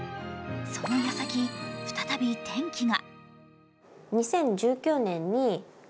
その矢先、再び転機が。